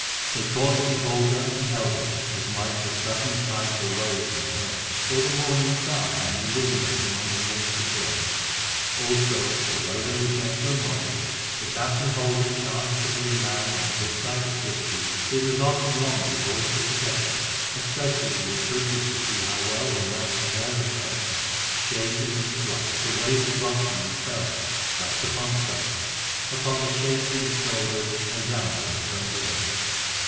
They caught the beholder and held him, as might the sudden sight of a rose in snow, or the morning star hanging luminous among the mists of dawn. Also, although they were so gentle and modest, if that beholder chanced to be a man on the good side of fifty it was often long before he could forget them, especially if he were privileged to see how well they matched the hair of chestnut, shading into black, that waved above them and fell, tress upon tress, upon the shapely shoulders and down to the slender waist.